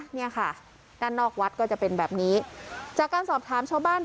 เนี่ยค่ะด้านนอกวัดก็จะเป็นแบบนี้จากการสอบถามชาวบ้าน